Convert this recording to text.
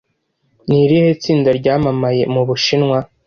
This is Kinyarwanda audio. ni irihe tsinda ryamamaye mu bushinwa